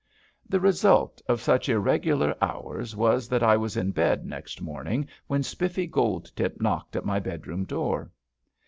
The result of such irregular hours was that I was in bed next morning when Spiffy Goldtip knocked at my bedroom door.